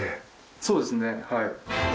そうですねはい。